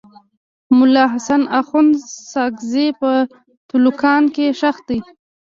ملا حسن اخند ساکزی په تلوکان کي ښخ دی.